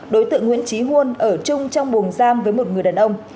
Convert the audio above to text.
đối tượng nguyễn trí huân ở chung trong buồng giam với một người đàn ông